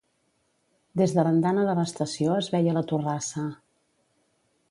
Des de l'andana de l'estació es veia la Torrassa